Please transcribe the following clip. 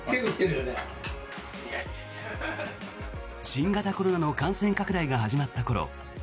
新型コロナの感染拡大が始まったころ